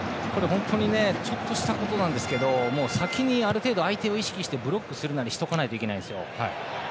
ちょっとしたことですが先にある程度相手を意識してブロックしておくなりしておかないといけないんです。